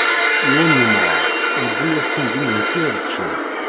Yiwen n umγar yewwi-asen-d imensi ad ččen.